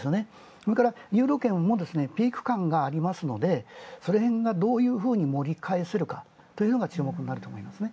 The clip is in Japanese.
それからユーロ圏もピーク感がありますのでそのへんがどのように盛り返せるかというのが注目になると思いますね。